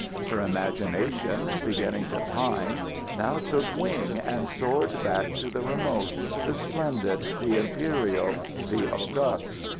Her imagination, beginning to pine, now took wing and soared back to the remote, the splendid, the imperial, the august.